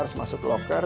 harus masuk locker